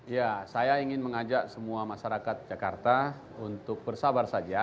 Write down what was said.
ya saya ingin mengajak semua masyarakat jakarta untuk bersabar saja